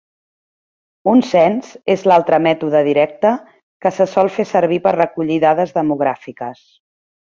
Un cens és l'altre mètode directe que se sol fer servir per recollir dades demogràfiques.